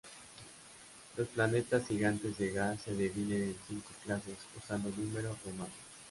Los planetas gigantes de gas se dividen en cinco clases, usando números romanos.